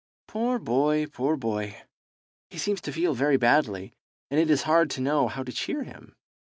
"Poor boy, poor boy! He seems to feel very badly, and it is hard to know how to cheer him."